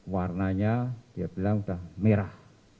warnanya dia bilang sudah merah